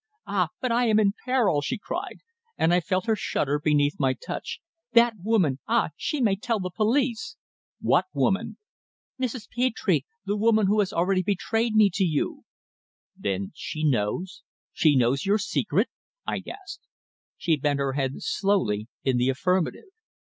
"Ah! but I am in peril!" she cried, and I felt her shudder beneath my touch. "That woman ah! she may tell the police!" "What woman?" "Mrs. Petre, the woman who has already betrayed me to you." "Then she knows she knows your secret?" I gasped. She bent her head slowly in the affirmative.